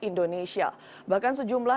indonesia bahkan sejumlah